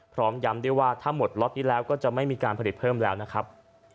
พร้อมย้ำด้วยว่าถ้าหมดล็อตนี้แล้วก็จะไม่มีการผลิตเพิ่มแล้วนะครับ